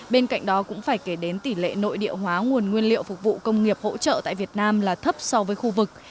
bên cạnh đó cũng phải kể đến tỷ lệ nội địa hóa nguồn nguyên liệu phục vụ công nghiệp hỗ trợ tại việt nam là thấp so với khu vực